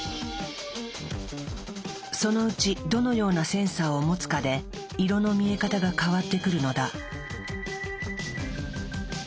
そのうちどのようなセンサーを持つかで色の見え方が変わってくるのだ。